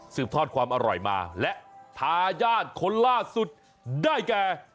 ทอดความอร่อยมาและทายาทคนล่าสุดได้แก่